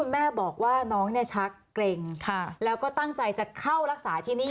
ไม่ได้แวะใส่เครื่องช่วยหายใจ